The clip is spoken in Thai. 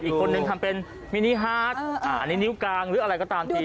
อีกคนนึงทำเป็นมินิฮาร์ดอันนี้นิ้วกลางหรืออะไรก็ตามที